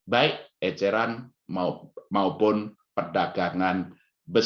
baik eceran maupun perdagangan besar